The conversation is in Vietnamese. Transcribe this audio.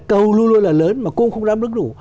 cầu luôn luôn là lớn mà cung không ra mức đủ